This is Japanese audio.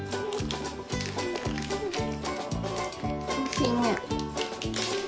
おいしいね。